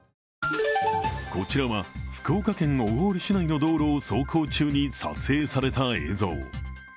こちらは福岡県小郡市内の道路を走行中に撮影された映像。